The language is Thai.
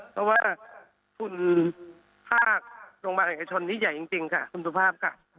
เพราะว่าภูมิภาคตรงบรรยายชนที่ใหญ่จริงค่ะคุณสุภาพค่ะ